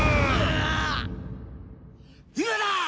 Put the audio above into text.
今だ！